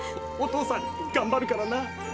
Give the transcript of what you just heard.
お父さんがんばるからな。